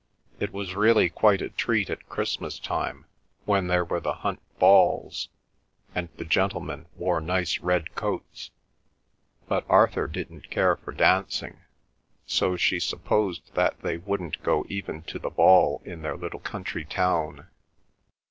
It was really quite a treat at Christmas time when there were the Hunt balls, and the gentlemen wore nice red coats, but Arthur didn't care for dancing, so she supposed that they wouldn't go even to the ball in their little country town.